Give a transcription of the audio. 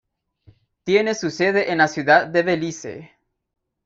Tiene su sede en la Ciudad de Belice.